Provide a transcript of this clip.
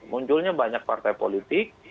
munculnya banyak partai politik